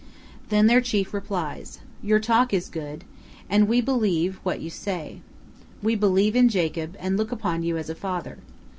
Then their chief replies: "Your talk is good, and we believe what you say. We believe in Jacob, and look upon you as a father.